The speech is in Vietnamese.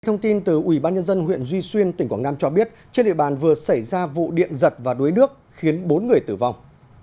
thông tin từ ubnd huyện duy xuyên tỉnh quảng nam cho biết trên địa bàn vừa xảy ra vụ điện giật và đuối nước khiến bốn người tử vong